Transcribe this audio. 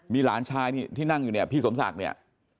มีหลานชายนี่ที่นั่งอยู่เนี่ยพี่สมศักดิ์เนี่ย